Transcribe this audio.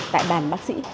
tại bàn bác sĩ